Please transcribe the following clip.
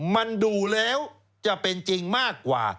มันดูแล้วจะเป็นจริงมากกว่า